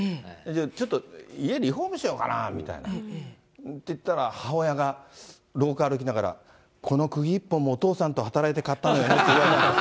ちょっと、家リフォームしようかなみたいな。って言ったら、母親が廊下歩きながら、このくぎ一本もお父さんと働いて買ったのよねって言われて。